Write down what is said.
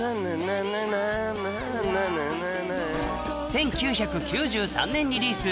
１９９３年リリース